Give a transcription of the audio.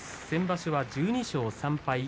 先場所は１２勝３敗。